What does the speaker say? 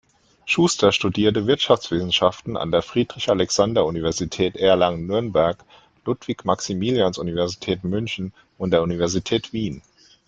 Schuster studierte Wirtschaftswissenschaften an der Friedrich-Alexander-Universität Erlangen-Nürnberg, Ludwig-Maximilians-Universität München und der Universität Wien.